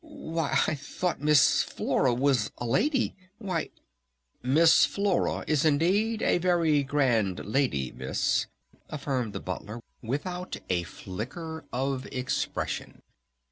Why, I thought Miss Flora was a Lady! Why " "Miss Flora is indeed a very grand lady, Miss!" affirmed the Butler without a flicker of expression.